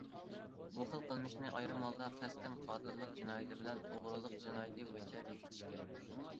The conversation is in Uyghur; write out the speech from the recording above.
بۇ خىل قىلمىشىنى ئايرىم ھالدا قەستەن قاتىللىق جىنايىتى بىلەن ئوغرىلىق جىنايىتى بويىچە بېكىتىش كېرەك.